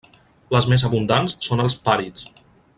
Les més abundants són els Pàrids.